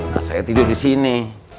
nah saya tidur di sini